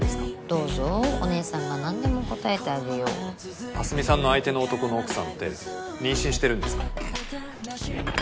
どうぞお姉さんが何でも答えてあげよう明日美さんの相手の男の奥さんって妊娠してるんですか？